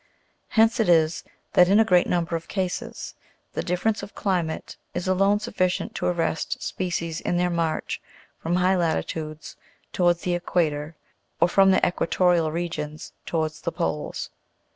Hence it is that, in a great number of cases, the dif ference of climate is alone sufficient to arrest species in their march from high latitudes towards the equator, or from the equa torial regions towards the poles.